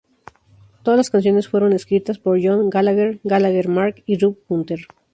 Todas las canciones fueron escritas por John Gallagher, Gallagher Mark y Rob Hunter